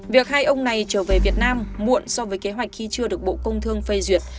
việc hai ông này trở về việt nam muộn so với kế hoạch khi chưa được bộ công thương phê duyệt